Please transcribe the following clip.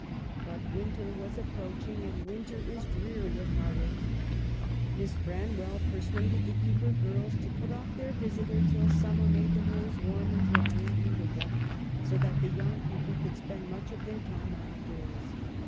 But winter was approaching, and winter is dreary at Haworth. Miss Branwell persuaded the eager girls to put off their visitor till summer made the moors warm and dry and beautiful, so that the young people could spend much of their time out of doors.